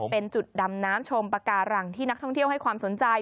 เป็นจุดดำน้ำชมปากการังที่นักท่องเที่ยวให้ความสนใจ